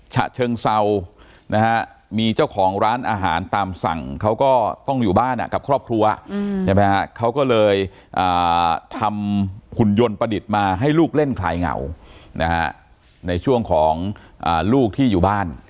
ฉะเชิงเซานะฮะมีเจ้าของร้านอาหารตามสั่งเขาก็ต้องอยู่บ้านกับครอบครัวใช่ไหมฮะเขาก็เลยทำหุ่นยนต์ประดิษฐ์มาให้ลูกเล่นคลายเหงานะฮะในช่วงของลูกที่อยู่บ้าน